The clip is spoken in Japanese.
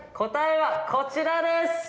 答えはこちらです！